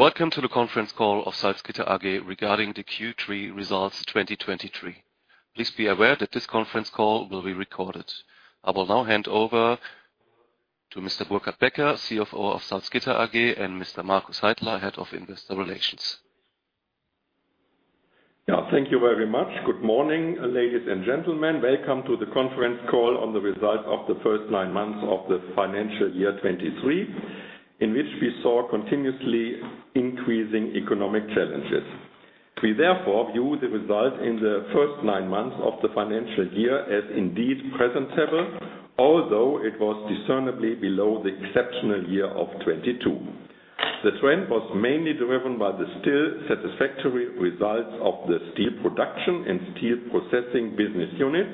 Welcome to the conference call of Salzgitter AG regarding the Q3 results 2023. Please be aware that this conference call will be recorded. I will now hand over to Mr. Burkhard Becker, CFO of Salzgitter AG, and Mr. Markus Heidler, Head of Investor Relations. Yeah, thank you very much. Good morning, ladies and gentlemen. Welcome to the conference call on the results of the first nine months of the financial year 2023, in which we saw continuously increasing economic challenges. We therefore view the results in the first nine months of the financial year as indeed presentable, although it was discernibly below the exceptional year of 2022. The trend was mainly driven by the still satisfactory results of the steel production and steel processing business unit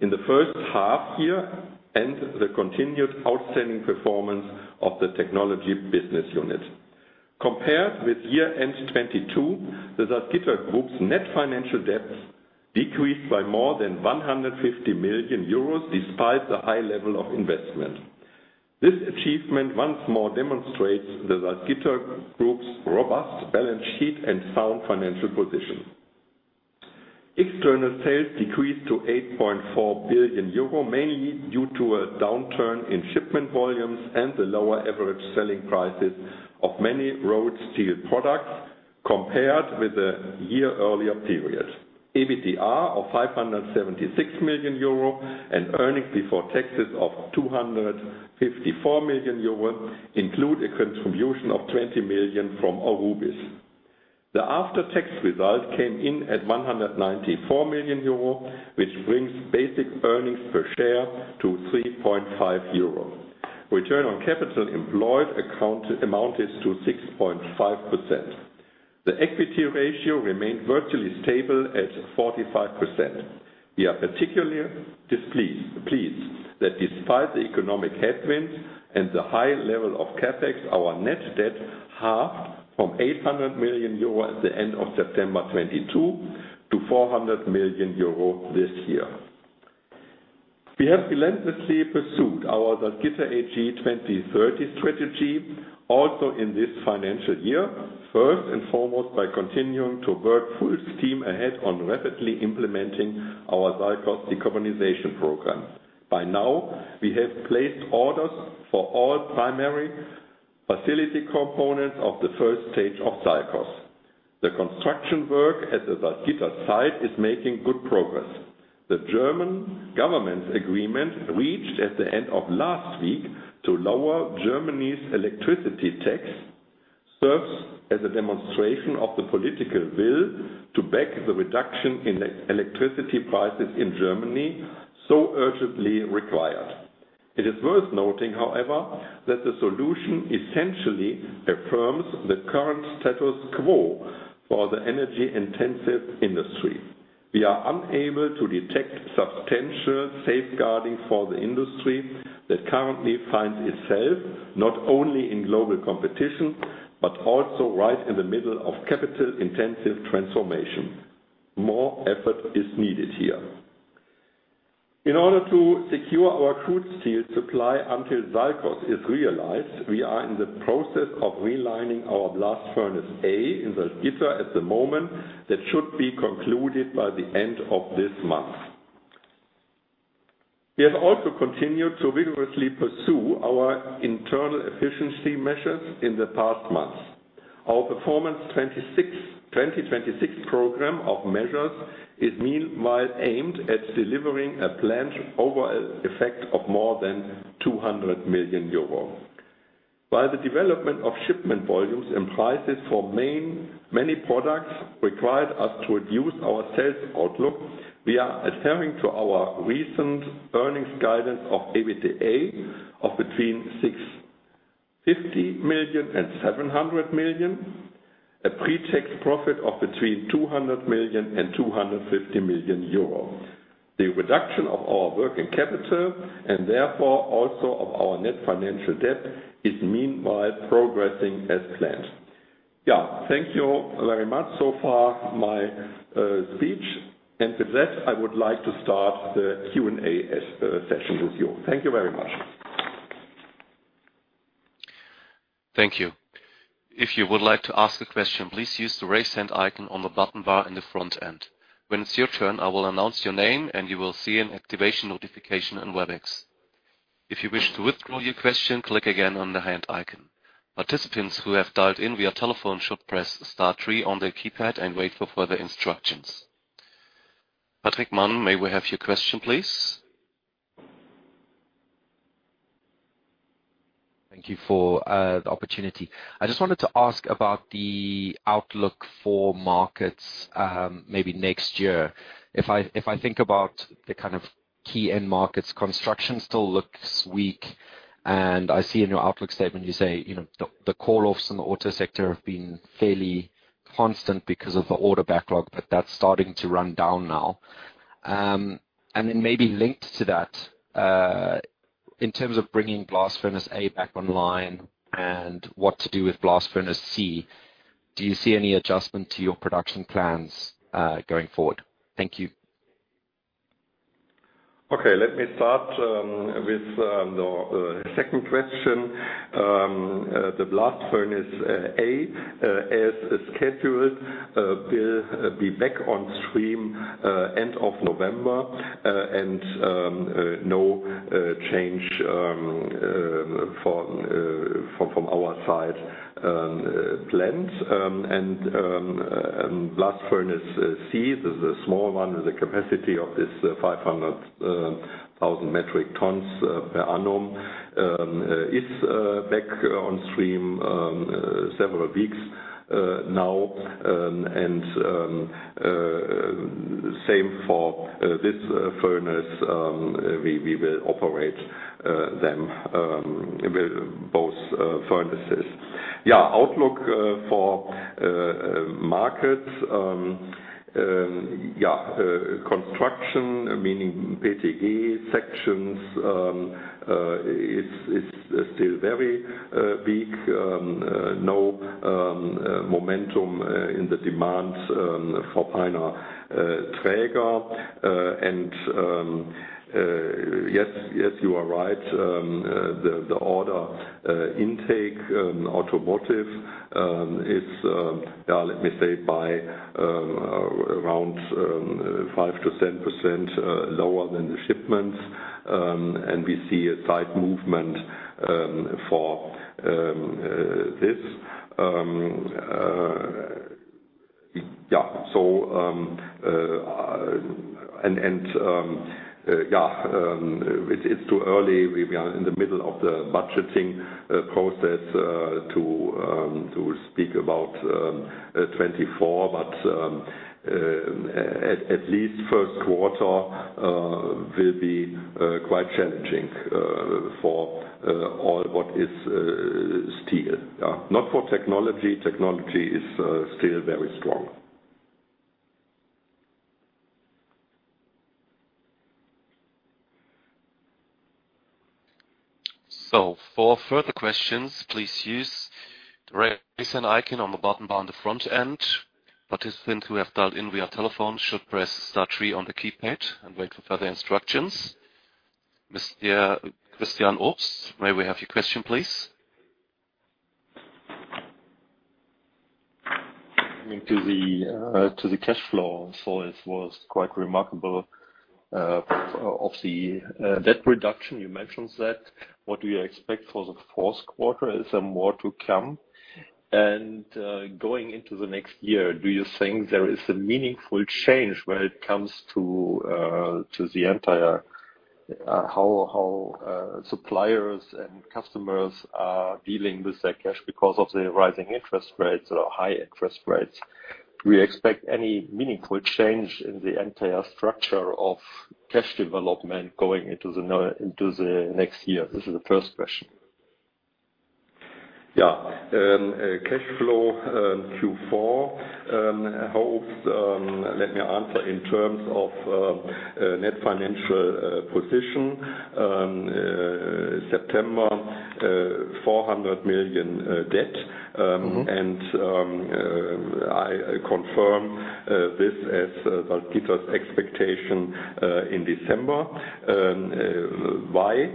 in the first half year, and the continued outstanding performance of the technology business unit. Compared with year-end 2022, the Salzgitter Group's net financial debt decreased by more than 150 million euros, despite the high level of investment. This achievement once more demonstrates the Salzgitter Group's robust balance sheet and sound financial position. External sales decreased to 8.4 billion euro, mainly due to a downturn in shipment volumes and the lower average selling prices of many rolled steel products compared with the year earlier period. EBITDA of 576 million euro and earnings before taxes of 254 million euro include a contribution of 20 million from Aurubis. The after-tax result came in at 194 million euro, which brings basic earnings per share to 3.5 euro. Return on capital employed amounted to 6.5%. The equity ratio remained virtually stable at 45%. We are particularly pleased that despite the economic headwinds and the high level of CapEx, our net debt halved from 800 million euro at the end of September 2022, to 400 million euro this year. We have relentlessly pursued our Salzgitter AG 2030 strategy, also in this financial year, first and foremost, by continuing to work full steam ahead on rapidly implementing our Salzgitter decarbonization program. By now, we have placed orders for all primary facility components of the first stage of Salzgitter. The construction work at the Salzgitter site is making good progress. The German government's agreement, reached at the end of last week, to lower Germany's electricity tax, serves as a demonstration of the political will to back the reduction in electricity prices in Germany, so urgently required. It is worth noting, however, that the solution essentially affirms the current status quo for the energy-intensive industry. We are unable to detect substantial safeguarding for the industry that currently finds itself not only in global competition, but also right in the middle of capital-intensive transformation. More effort is needed here. In order to secure our crude steel supply until Salzgitter is realized, we are in the process of relining our Blast Furnace A in Salzgitter at the moment. That should be concluded by the end of this month. We have also continued to vigorously pursue our internal efficiency measures in the past months. Our Performance 2026 program of measures is meanwhile aimed at delivering a planned overall effect of more than 200 million euro. While the development of shipment volumes and prices for main, many products required us to reduce our sales outlook, we are adhering to our recent earnings guidance of EBITDA of between 650 million and 700 million, a pre-tax profit of between 200 million and 250 million euro. The reduction of our working capital, and therefore also of our net financial debt, is meanwhile progressing as planned. Yeah, thank you all very much. So far, my speech. And with that, I would like to start the Q&A session with you. Thank you very much. Thank you. If you would like to ask a question, please use the raise hand icon on the button bar in the front end. When it's your turn, I will announce your name, and you will see an activation notification in WebEx. If you wish to withdraw your question, click again on the hand icon. Participants who have dialed in via telephone should press star three on their keypad and wait for further instructions. Patrick Mann, may we have your question, please? Thank you for the opportunity. I just wanted to ask about the outlook for markets, maybe next year. If I think about the kind of key end markets, construction still looks weak, and I see in your outlook statement, you say, you know, the call-offs in the auto sector have been fairly constant because of the order backlog, but that's starting to run down now. And then maybe linked to that, in terms of bringing Blast Furnace A back online and what to do with Blast Furnace C, do you see any adjustment to your production plans, going forward? Thank you. Okay, let me start with the second question. The Blast Furnace A, as scheduled, will be back on stream at the end of November, and no change from our side plans. And Blast Furnace C, the small one with a capacity of 500,000 metric tons per annum, is back on stream for several weeks now. And same for this furnace. We will operate them with both furnaces. Yeah, outlook for markets, yeah, construction, meaning PTG sections, it's still very big no momentum in the demand for Peiner Träger. Yes, yes, you are right. The order intake in automotive is yeah let me say by around 5%-10% lower than the shipments. And we see a tight movement for this. Yeah, so and yeah, it's too early. We are in the middle of the budgeting process to speak about 2024, but at least first quarter will be quite challenging for all what is steel. Not for technology. Technology is still very strong. So for further questions, please use the Raise Hand icon on the bottom bar on the front end. Participants who have dialed in via telephone should press star three on the keypad and wait for further instructions. Mr. Christian Obst, may we have your question, please? To the cash flow. So it was quite remarkable of the debt reduction. You mentioned that. What do you expect for the fourth quarter? Is there more to come? And going into the next year, do you think there is a meaningful change when it comes to the entire how suppliers and customers are dealing with their cash because of the rising interest rates or high interest rates? Do you expect any meaningful change in the entire structure of cash development going into the next year? This is the first question. Yeah. Cash flow Q4 helps. Let me answer in terms of net financial position. September, EUR 400 million debt. I confirm this as Walter Pieter's expectation in December. Why?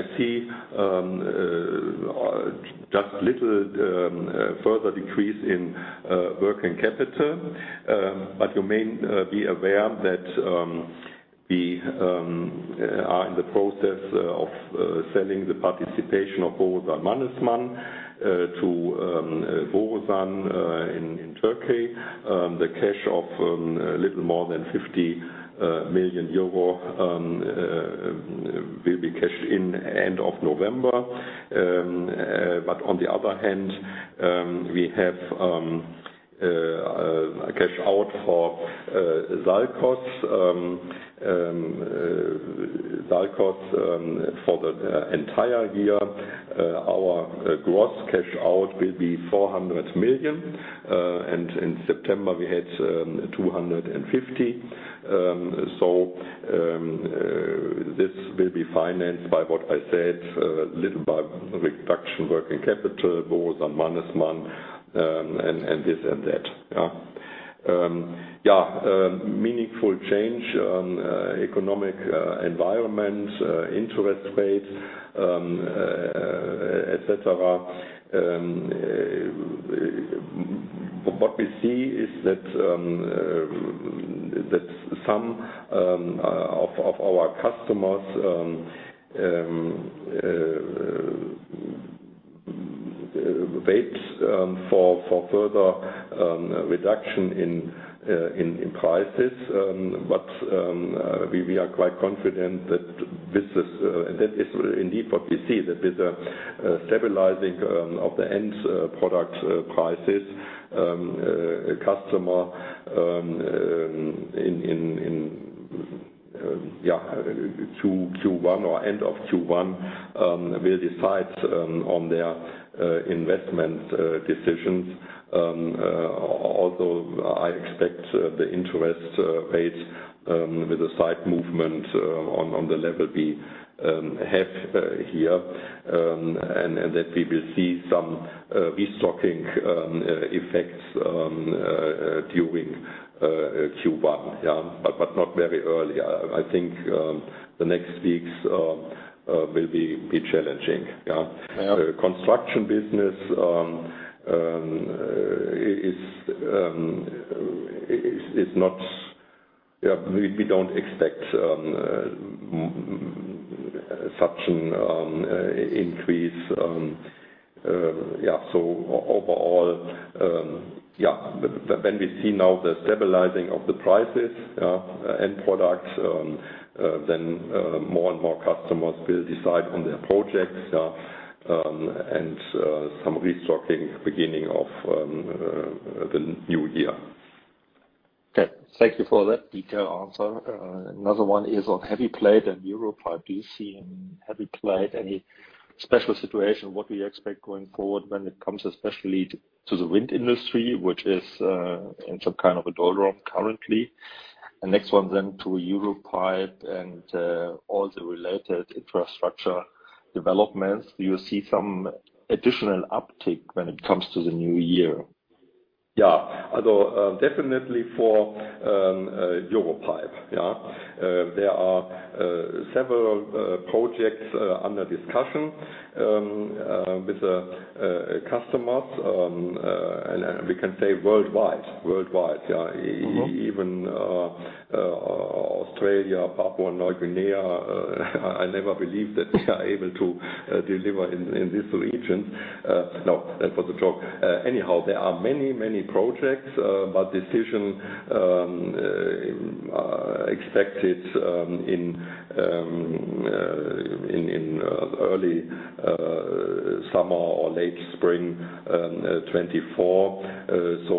I see just little further decrease in working capital. But you may be aware that we are in the process of selling the participation of Borusan Mannesmann to Borusan in Turkey. The cash of a little more than 50 million euro will be cashed in end of November. But on the other hand, we have a cash out for SALCOS®. SALCOS® for the entire year, our gross cash out will be 400 million, and in September, we had 250 million. So, this will be financed by what I said, little by reduction working capital, Borusan Mannesmann, and this and that. Yeah. Yeah, meaningful change, economic environment, interest rates, et cetera. What we see is that that some of our customers wait for further reduction in prices. But we are quite confident that business, and that is indeed what we see, that with the stabilizing of the end product prices, a customer in yeah, Q1 or end of Q1, will decide on their investment decisions. Although I expect the interest rates with the side movement on the level we have here, and that we will see some restocking effects during Q1. Yeah, but not very early. I think the next weeks will be challenging. Yeah. Yeah. Construction business is not. Yeah, we don't expect such an increase. So overall, when we see now the stabilizing of the prices, end products, then more and more customers will decide on their projects, and some restocking beginning of the new year. Okay. Thank you for that detailed answer. Another one is on heavy plate and EUROPIPE. Do you see in heavy plate any special situation? What do you expect going forward when it comes especially to, to the wind industry, which is in some kind of a doldrums currently? The next one then to EUROPIPE and all the related infrastructure developments. Do you see some additional uptick when it comes to the new year? Yeah. Although definitely for EUROPIPE, yeah. There are several projects under discussion with customers, and we can say worldwide, worldwide, yeah. Even Australia, Papua New Guinea, I never believed that we are able to deliver in this region. No, that was a joke. Anyhow, there are many, many projects, but decisions expected in early summer or late spring 2024. So,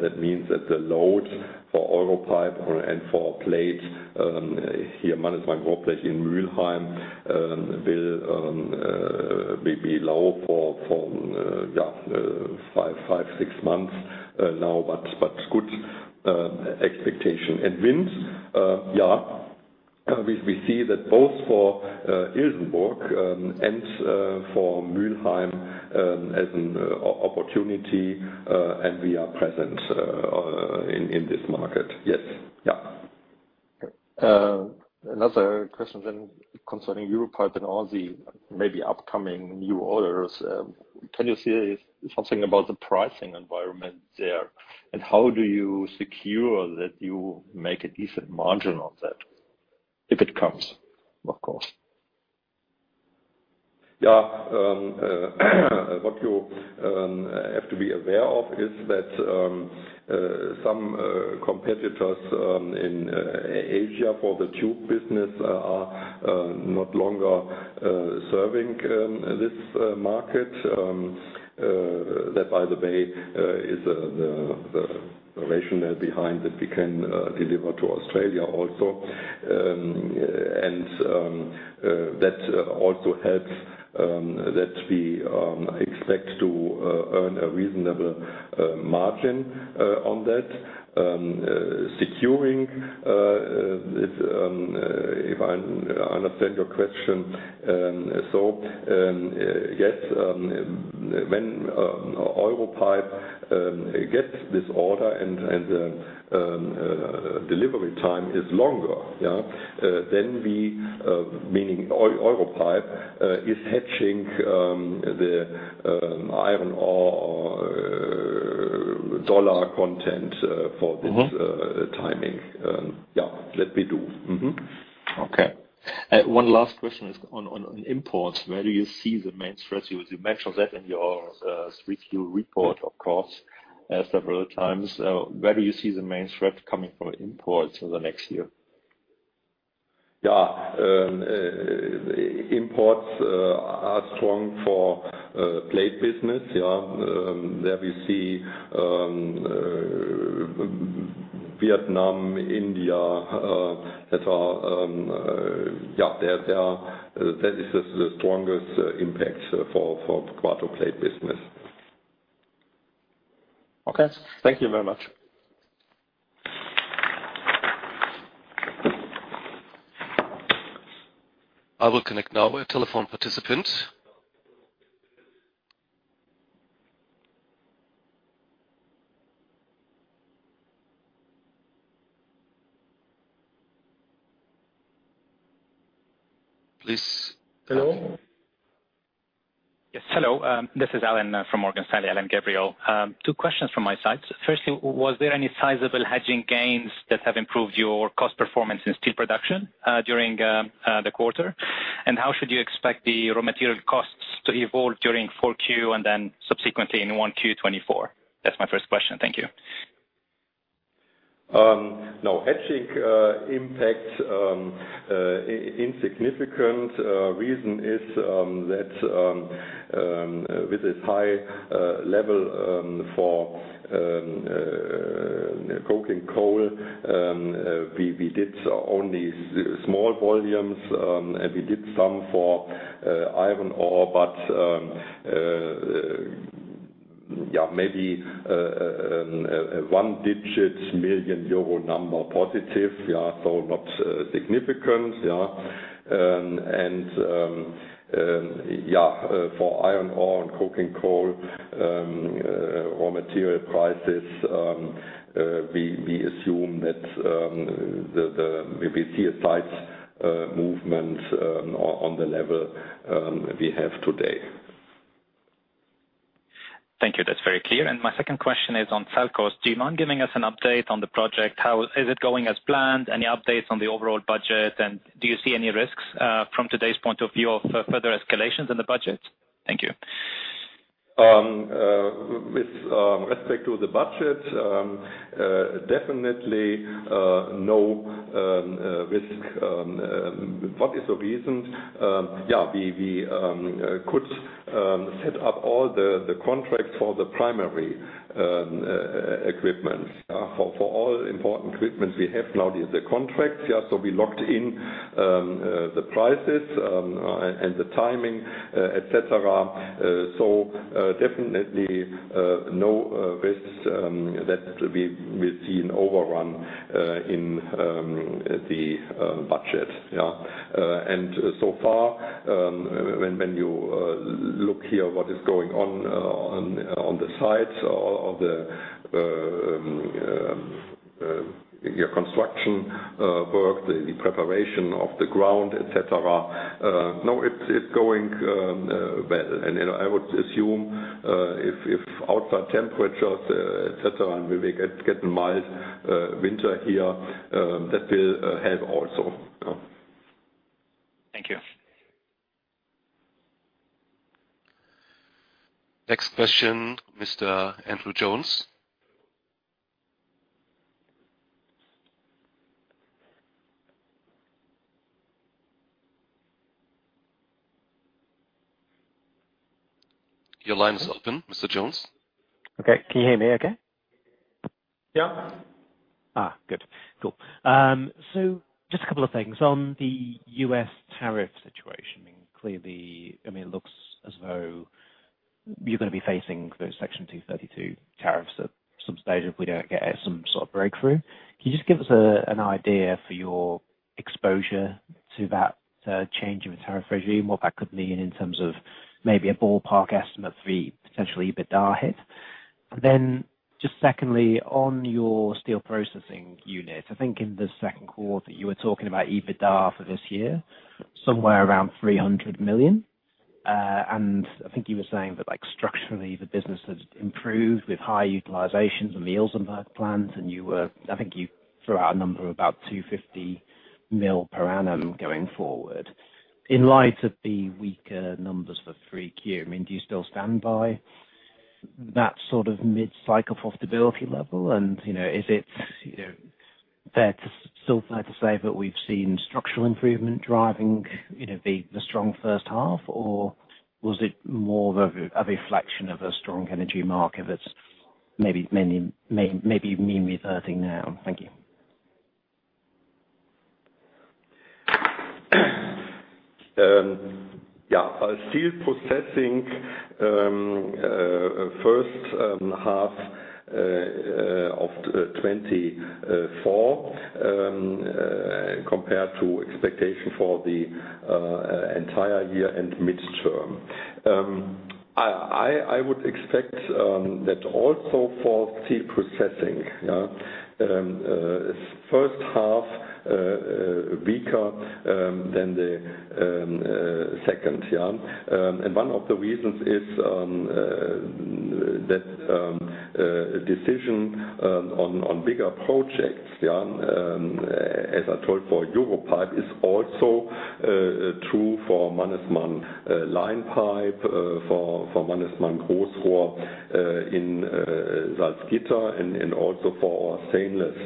that means that the load for EUROPIPE and for plate here, Mannesmann Rohre in Mülheim, will be low for 5-6 months now, but good expectation. And winds, yeah, we see that both for Ilsenburg and for Mülheim as an opportunity, and we are present in this market. Yes. Yeah. Another question then concerning EUROPIPE and all the maybe upcoming new orders. Can you say something about the pricing environment there, and how do you secure that you make a decent margin on that, if it comes, of course? Yeah. What you have to be aware of is that some competitors in Asia for the tube business are no longer serving this market. That, by the way, is the rationale behind that we can deliver to Australia also. And that also helps that we expect to earn a reasonable margin on that. Securing, if I understand your question, so yes, when EUROPIPE gets this order and delivery time is longer, yeah, then we, meaning EUROPIPE, is hedging the iron ore or dollar content for this timing. Yeah, that we do. Okay. One last question is on imports. Where do you see the main threats? You mentioned that in your three-quarter report, of course, where do you see the main threat coming from imports in the next year? Yeah. Imports are strong for plate business, yeah. There we see Vietnam, India that are yeah, they are- that is the strongest impact for the quarto plate business. Okay. Thank you very much. I will connect now a telephone participant. Please- Hello? Yes, hello, this is Alain from Morgan Stanley, Alain Gabriel. Two questions from my side. Firstly, were there any sizable hedging gains that have improved your cost performance in steel production, during the quarter? And how should you expect the raw material costs to evolve during Q4 and then subsequently in 1Q 2024? That's my first question. Thank you. Now, hedging impacts insignificant. Reason is that with this high level for coking coal, we did only small volumes, and we did some for iron ore, but yeah maybe one-digit million EUR number positive yeah, so not significant, yeah. And yeah, for iron ore and coking coal raw material prices we assume that we see a tight movement on the level we have today. Thank you. That's very clear. And my second question is on SALCOS®. Do you mind giving us an update on the project? How is it going as planned? Any updates on the overall budget, and do you see any risks from today's point of view of further escalations in the budget? Thank you. With respect to the budget, definitely no risk. What is the reason? Yeah, we could set up all the contracts for the primary equipment. For all important equipment, we have now the contracts, yeah, so we locked in the prices and the timing, et cetera. So, definitely no risks that we see an overrun in the budget, yeah. And so far, when you look here, what is going on, on the sites of your construction work, the preparation of the ground, et cetera, no, it's going well. You know, I would assume if outside temperatures, et cetera, and we will get mild winter here, that will help also. Yeah. Thank you. Next question, Mr. Andrew Jones. Your line is open, Mr. Jones. Okay. Can you hear me okay? Yeah. Ah, good. Cool. So just a couple of things. On the U.S. tariff situation, clearly, I mean, it looks as though you're gonna be facing those Section 232 tariffs at some stage, if we don't get some sort of breakthrough. Can you just give us an idea of your exposure to that change in tariff regime, what that could mean in terms of maybe a ballpark estimate for the potential EBITDA hit? Then, just secondly, on your steel processing unit, I think in the second quarter, you were talking about EBITDA for this year, somewhere around 300 million. And I think you were saying that, like, structurally, the business has improved with high utilizations and yields on both plans, and you were, I think you threw out a number of about 250 million per annum going forward. In light of the weaker numbers for Q3, I mean, do you still stand by that sort of mid-cycle profitability level? And, you know, is it, you know, fair to still fair to say that we've seen structural improvement driving, you know, the strong first half, or was it more of a reflection of a strong energy market that's maybe mean-reverting now? Thank you. Yeah, steel processing in the first half of 2024 compared to expectations for the entire year and midterm. I would expect that also for steel processing, yeah, first half weaker than the second, yeah. And one of the reasons is that decision on bigger projects, yeah, as I told for EUROPIPE, is also true for Mannesmann Line Pipe, for Mannesmann Großrohr in Salzgitter AG, and also for our stainless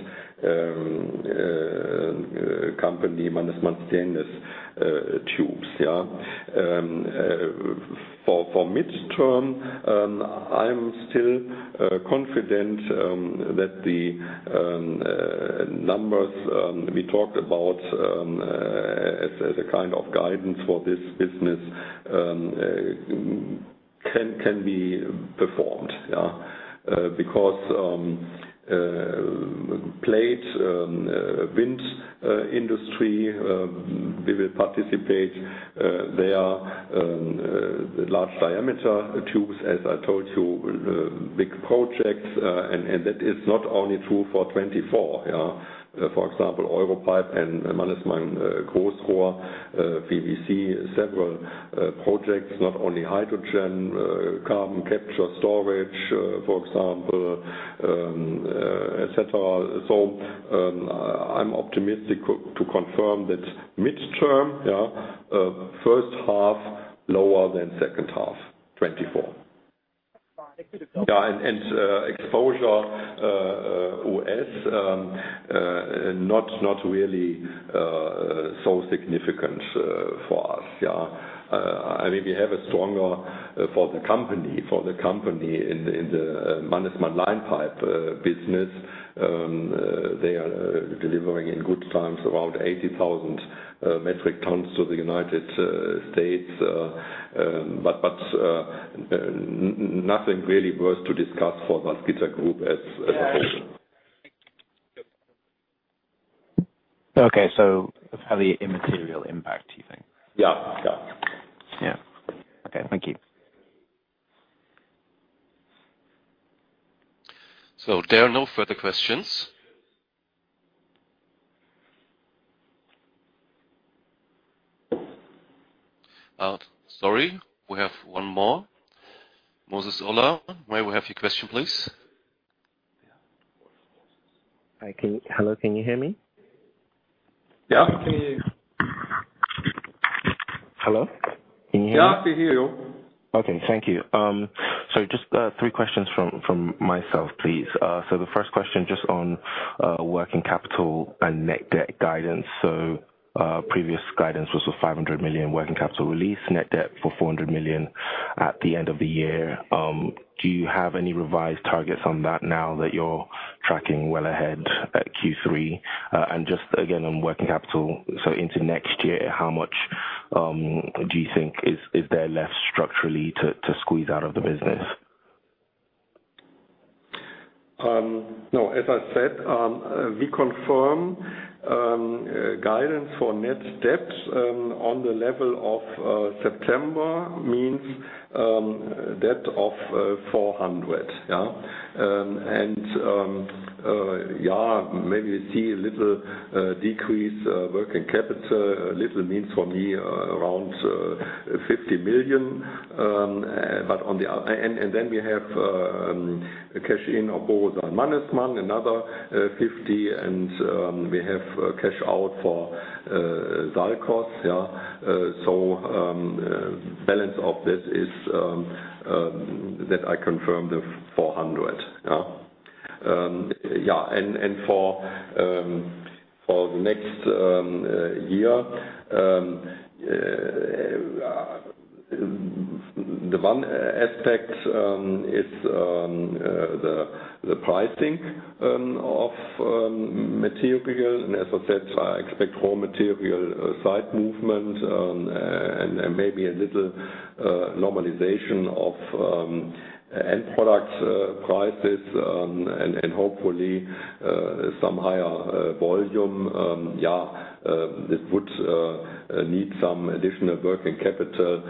company, Mannesmann Stainless Tubes, yeah. For the midterm, I'm still confident that the numbers we talked about as a kind of guidance for this business can be performed, yeah. Becauseof the plate, wind industry, we will participate there, large diameter tubes, as I told you, big projects, and that is not only true for 2024, yeah. For example, EUROPIPE and Mannesmann Großrohr, PVC, several projects, not only hydrogen, Carbon Capture Storage, for example, et cetera. So, I'm optimistic to confirm that midterm, yeah, first half lower than second half, 2024. Yeah, and exposure, US, not really so significant for us, yeah. I mean, we have a stronger for the company, for the company in the Mannesmann Line Pipe business. They are delivering in good times, around 80,000 metric tons to the United States. But nothing really worth to discuss for the Salzgitter Group as a whole. Okay. So a fairly immaterial impact, you think? Yeah. Yeah. Yeah. Okay, thank you. There are no further questions... Sorry, we have one more. Moses Ola, may we have your question, please? Hi, hello, can you hear me? Yeah, I can hear you. Hello? Can you hear me? Yeah, I can hear you. Okay, thank you. So just three questions from myself, please. So the first question, just on working capital and net debt guidance. So previous guidance was for 500 million working capital release, net debt for 400 million at the end of the year. Do you have any revised targets on that now that you're tracking well ahead at Q3? And just again, on working capital, so into next year, how much do you think is there less structurally to squeeze out of the business? No, as I said, we confirm guidance for net debt on the level of September, means debt of EUR 400 million, yeah. And yeah, maybe we see a little decrease working capital. Little means for me, around 50 million. But on the other and, and then we have a cash in of Borusan Mannesmann, another 50 million, and we have cash out for SALCOS®, yeah. So the balance of this is that I confirm the 400 million, yeah. Yeah, and for the next year, the one aspect is the pricing of material. As I said, I expect raw material side movement, and maybe a little normalization of end product prices, and hopefully some higher volume. Yeah, this would need some additional working capital,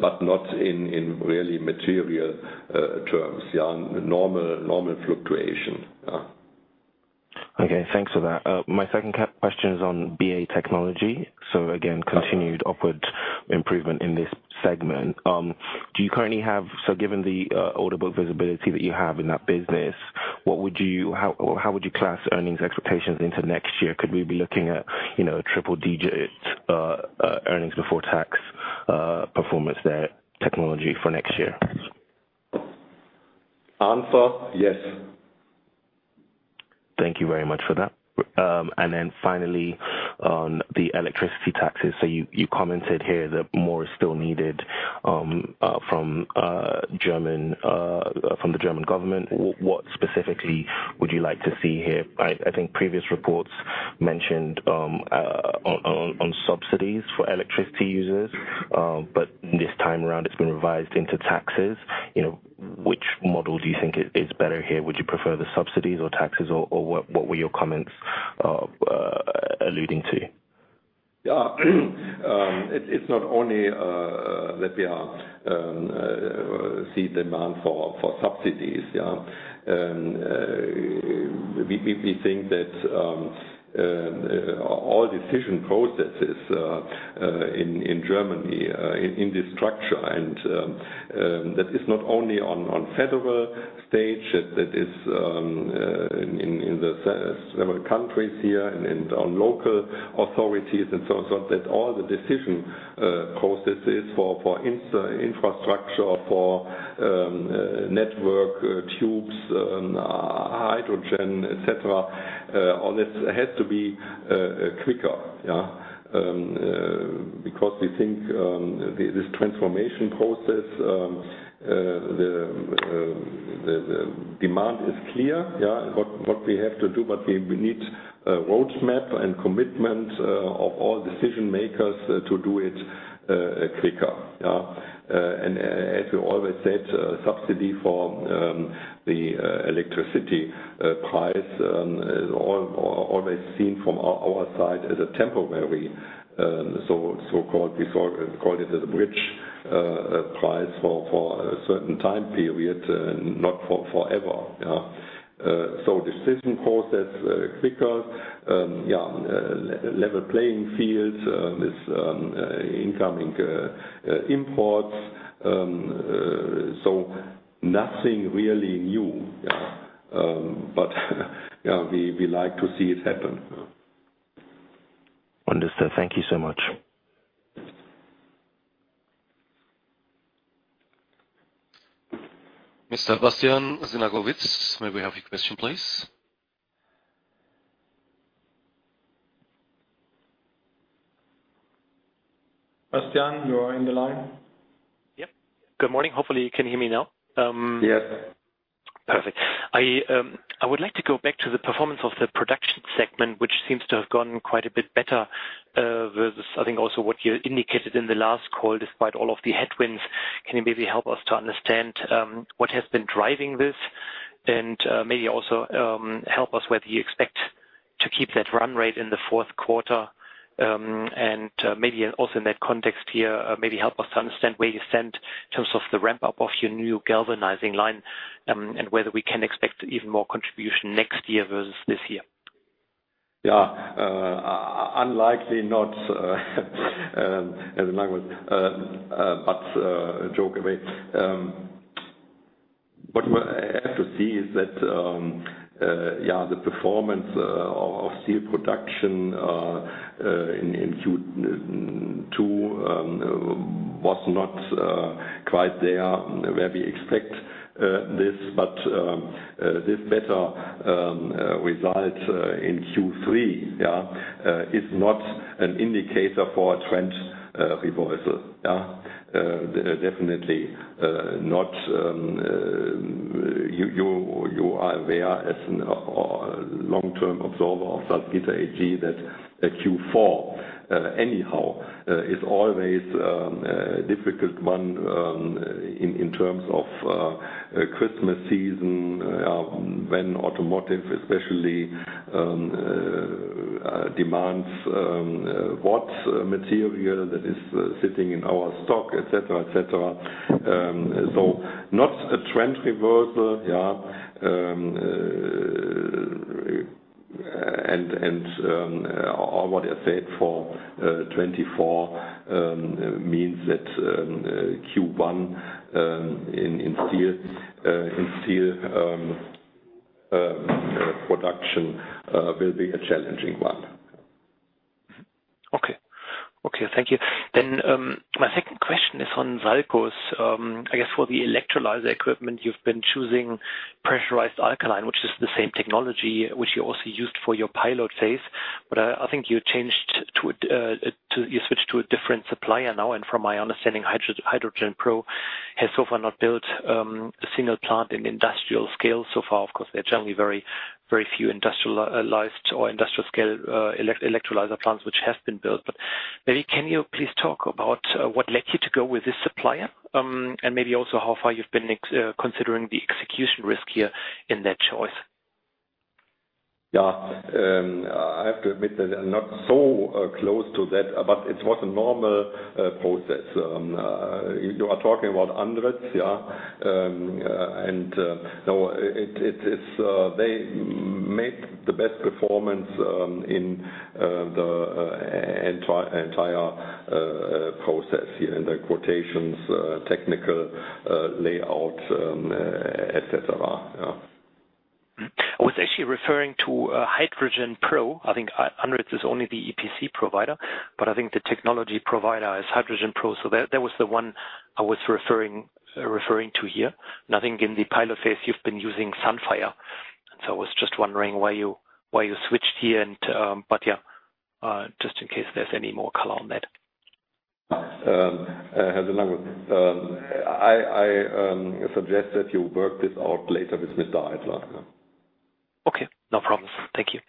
but not in really material terms. Yeah, normal fluctuation, yeah. Okay, thanks for that. My second question is on BA Technology. So again, continued upward improvement in this segment. So given the order book visibility that you have in that business, what would you, how would you class earnings expectations into next year? Could we be looking at, you know, triple-digit earnings before tax performance there, technology for next year? Answer: Yes. Thank you very much for that. And then finally, on the electricity taxes. So you commented here that more is still needed from the German government. What specifically would you like to see here? I think previous reports mentioned subsidies for electricity users, but this time around, it's been revised into taxes. You know, which model do you think is better here? Would you prefer the subsidies or taxes, or what were your comments alluding to? Yeah. It's not only that we are see demand for subsidies, yeah. We think that all decision processes in Germany in this structure, and that is not only on federal stage, that is in the several countries here and on local authorities and so on, so that all the decision processes for infrastructure, for network, tubes, hydrogen, et cetera, all this has to be quicker, yeah. Because we think this transformation process the demand is clear, yeah, what we have to do, but we need a roadmap and commitment of all decision makers to do it quicker, yeah. And as we always said, subsidy for the electricity price is always seen from our side as a temporary, so-called, we call it, call it as a bridge price for a certain time period, not for forever, yeah. So decision process quicker, yeah, level playing field with incoming imports. So nothing really new, yeah. But yeah, we like to see it happen. Understood. Thank you so much. Mr. Bastian Synagowitz, may we have your question, please? Bastian, you are in the line. Yep. Good morning. Hopefully, you can hear me now. Yes. Perfect. I would like to go back to the performance of the production segment, which seems to have gone quite a bit better versus, I think also what you indicated in the last call, despite all of the headwinds. Can you maybe help us to understand what has been driving this? And maybe also help us whether you expect to keep that run rate in the fourth quarter. And maybe also in that context here, maybe help us to understand where you stand in terms of the ramp-up of your new galvanizing line, and whether we can expect even more contribution next year versus this year. Yeah, unlikely not, but joke away. What we have to see is that, yeah, the performance of steel production in Q2 was not quite there where we expect this, but this better result in Q3, yeah, is not an indicator for a trend reversal. Yeah, definitely not, you are aware as a long-term observer of Salzgitter AG, that a Q4 anyhow is always a difficult one in terms of Christmas season, when automotive especially demands what material that is sitting in our stock, et cetera, et cetera. So not a trend reversal, yeah. What I said for 2024 means that Q1 in steel production will be a challenging one. Okay. Okay, thank you. Then, my second question is on SALCOS®. I guess for the electrolyzer equipment, you've been choosing pressurized alkaline, which is the same technology which you also used for your pilot phase. But I think you changed to, you switched to a different supplier now, and from my understanding, HydrogenPro has so far not built a single plant in industrial scale so far. Of course, there are generally very, very few industrialized or industrial scale electrolyzer plants which have been built. But maybe can you please talk about what led you to go with this supplier? And maybe also how far you've been considering the execution risk here in that choice. Yeah. I have to admit that I'm not so close to that, but it was a normal process. You are talking about ANDRITZ, yeah? And no, it's they made the best performance in the entire process here, in the quotations, technical layout, et cetera, yeah. I was actually referring to HydrogenPro. I think ANDRITZ is only the EPC provider, but I think the technology provider is HydrogenPro. So that was the one I was referring to here. And I think in the pilot phase you've been using Sunfire, and so I was just wondering why you switched here and but, yeah, just in case there's any more color on that. I have the language. I suggest that you work this out later with Mr. Heidler. Okay, no problems. Thank you.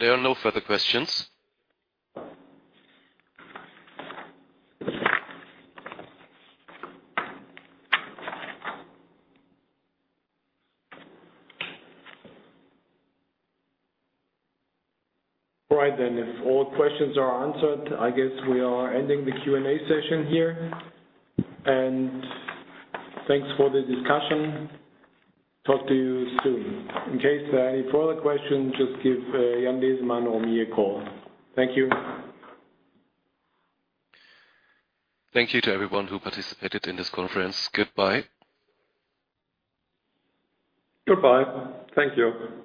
There are no further questions. All right then, if all questions are answered, I guess we are ending the Q&A session here, and thanks for the discussion. Talk to you soon. In case there are any further questions, just give Jan Diesemann or me a call. Thank you. Thank you to everyone who participated in this conference. Goodbye. Goodbye. Thank you.